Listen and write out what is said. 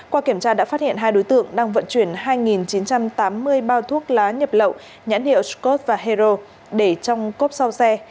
qua kiểm tra đã phát hiện hai đối tượng đang vận chuyển hai chín trăm tám mươi bao thuốc lá nhập lậu nhãn hiệu scott và hero để trong cốp sau xe